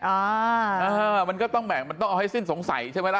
อ่ามันก็ต้องแบ่งมันต้องเอาให้สิ้นสงสัยใช่ไหมล่ะ